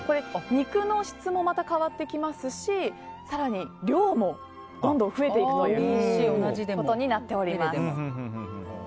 肉の質もまた変わってきますし更に量も、どんどん増えていくことになっております。